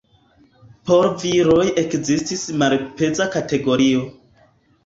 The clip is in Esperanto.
Por viroj ekzistis malpeza kategorio.